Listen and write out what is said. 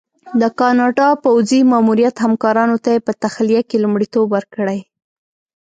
د کاناډا پوځي ماموریت همکارانو ته یې په تخلیه کې لومړیتوب ورکړی.